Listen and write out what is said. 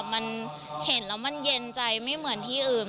มันเห็นแล้วมันเย็นใจไม่เหมือนที่อื่น